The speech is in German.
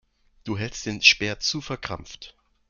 Du hältst den Speer zu verkrampft.